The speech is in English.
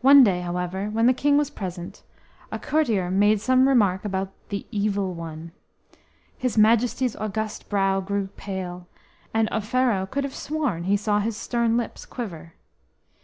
One day, however, when the king was present, a courtier made some remark about "the Evil One"; his Majesty's august brow grew pale, and Offero could have sworn he saw his stern lips quiver.